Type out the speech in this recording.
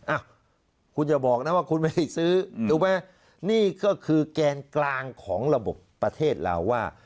อ้าวคุณอย่าบอกนะว่าคุณไม่ได้ซื้อถูกไหมนี่ก็คือแกนกลางของระบบประเทศเราว่า